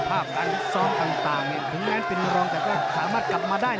การพิกซอมมันหรือจะจัดร้องและก็สามารถกลับมาได้